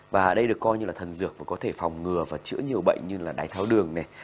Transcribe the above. và đây được coi như là thần dược và có thể phòng ngừa và chữa nhiều bệnh như là đáy tháo đường này